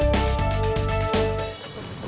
malem malem kayak gitu